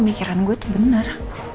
pikiran gue tuh bener